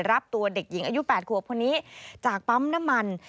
รับตัวเด็กหญิงอายุ๘ขวบคนนี้จากปั๊มน้ำมัน